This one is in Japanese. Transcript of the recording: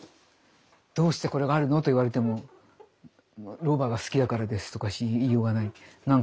どうしてこれがあるのと言われてもロバが好きだからですとか。